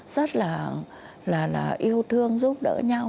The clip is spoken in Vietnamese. rất là yêu thương giúp đỡ nhau